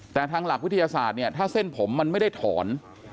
แต่ทางหลักวิทยาศาสตร์เนี่ยถ้าเส้นผมมันไม่ได้ถอน